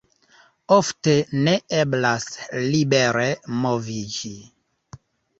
Ofte ne eblas libere moviĝi.